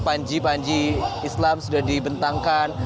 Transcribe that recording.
panji panji islam sudah dibentangkan